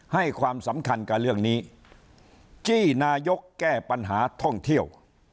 ให้ความสำคัญกับเรื่องนี้จี้นายกแก้ปัญหาท่องเที่ยว